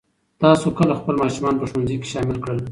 تاسو کله خپل ماشومان په ښوونځي کې شامل کړل؟